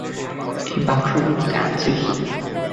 এই বাক্সগুলাতে আছে কী?